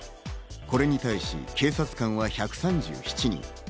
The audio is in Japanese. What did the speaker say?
これに対し、警察官は１３７人。